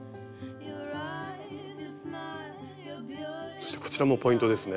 そしてこちらもポイントですね。